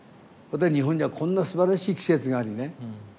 例えば日本にはこんなすばらしい季節があるよね。